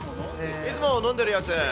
いつも飲んでるやつ。